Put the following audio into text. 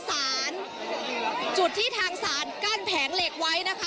สารจุดที่ทางศาลกั้นแผงเหล็กไว้นะคะ